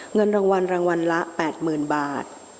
เงินรางวัลรางวัลละ๘๐๐๐บาท